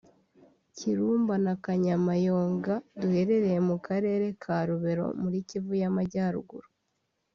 Kirumba na Kanyabayonga duherereye mu karere ka Lubero muri Kivu y’Amajyaruguru